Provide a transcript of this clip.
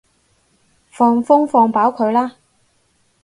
放風放飽佢啦